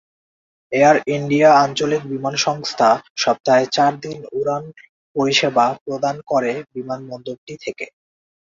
Air India আঞ্চলিক বিমান সংস্থা সপ্তাহে চার দিন উড়ান পরিষেবা প্রদান করে বিমানবন্দরটি থেকে।